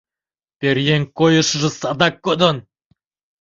Пӧръеҥ койышыжо садак кодын.